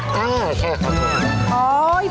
อ๋อเขาจะปั้นนะ